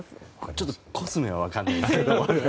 ちょっとコスメは分からないけど。